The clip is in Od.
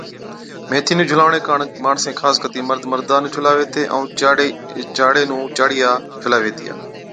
ميٿِي نُون جھُلاوَڻي ڪاڻ ماڻسين خاص ڪتِي مرد مردا نُون جھُلاوَي ھِتي ائُون چاڙي نُون چاڙِيا جھُلاوي ھِتيا